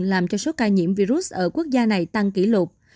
làm cho số ca nhiễm virus ở quốc gia này tăng kỷ lục